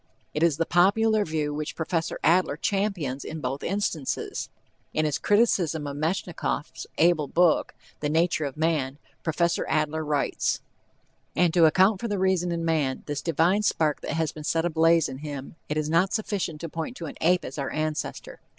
It is the popular view which Prof. Adler champions in both instances. In his criticism of Metchnikoff's able book, The Nature of Man, Prof. Adler writes: And to account for the reason in man, this divine spark that has been set ablaze in him, it is not sufficient to point to an ape as our ancestor.